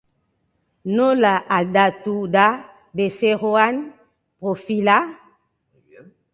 Nola aldatu da bezeroaren profila?